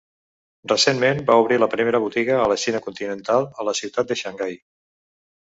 Recentment va obrir la primera botiga a la Xina continental, a la ciutat de Xangai.